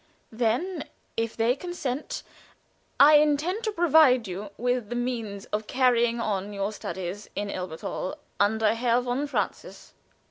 Then, if they consent, I intend to provide you with the means of carrying on your studies in Elberthal under Herr von Francius."